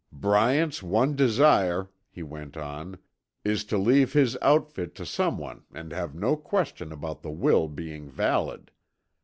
"Bryant's one desire," he went on, "is to leave his outfit to someone and have no question about the will being valid.